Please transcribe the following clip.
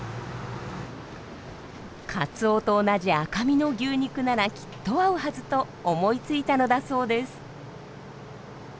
カツオと同じ赤身の牛肉ならきっと合うはずと思いついたのだそうです。